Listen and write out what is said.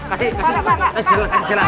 kasih kasih jalan tolong kasih jalan ya